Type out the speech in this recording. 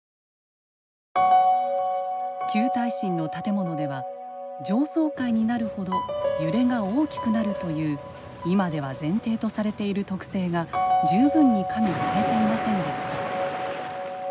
旧耐震の建物では上層階になるほど揺れが大きくなるという今では前提とされている特性が十分に加味されていませんでした。